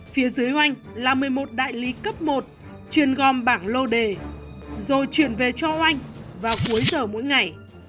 phía dưới oanh là một mươi một đại lý cấp một chuyên gom bảng lô đề rồi chuyển về cho oanh vào cuối giờ mỗi ngày